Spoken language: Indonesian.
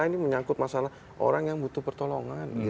ini menyangkut masalah orang yang butuh pertolongan